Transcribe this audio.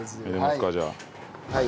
はい。